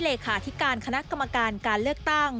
เลขาธิการคณะกรรมการการเลือกตั้ง